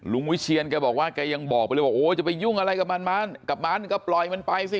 วิเชียนแกบอกว่าแกยังบอกไปเลยบอกโอ้จะไปยุ่งอะไรกับมันมันกับมันก็ปล่อยมันไปสิ